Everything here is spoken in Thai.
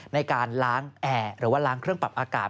ในการล้างแอร์หรือว่าล้างเครื่องปรับอากาศ